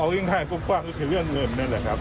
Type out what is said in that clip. เอาง่ายกว้างก็เกี่ยวกับเรื่องเงินนั่นแหละครับ